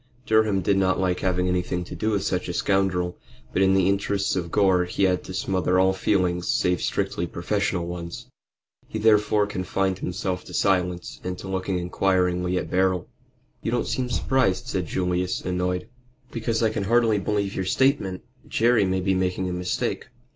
Durham did not like having anything to do with such a scoundrel, but in the interests of Gore he had to smother all feelings save strictly professional ones. He therefore confined himself to silence, and to looking inquiringly at Beryl. "You don't seem surprised," said Julius, annoyed. "Because I can hardy believe your statement. Jerry may be making a mistake."